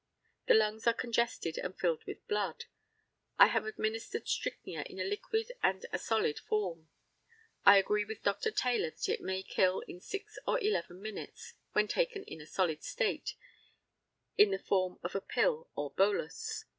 The lungs are congested and filled with blood. I have administered strychnia in a liquid and a solid form; I agree with Dr. Taylor that it may kill in 6 or 11 minutes when taken in a solid state in the form of a pill or bolus.